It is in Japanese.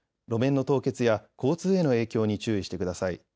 路面の凍結や交通への影響に注意してください。